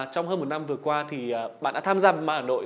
trong hơn một năm vừa qua thì bạn đã tham gia màn ảnh đội